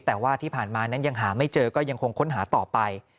แต่ว่าที่ผ่านมานั้นยังหาไม่เจอก็ยังคงค้นหาต่อไป